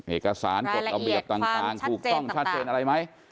เอกสารกฎอเบียบต่างรายละเอียดความชัดเจนต่าง